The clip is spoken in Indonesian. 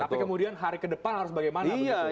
tapi kemudian hari ke depan harus bagaimana